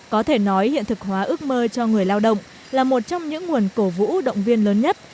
có thể nói hiện thực hóa ước mơ cho người lao động là một trong những nguồn cổ vũ động viên lớn nhất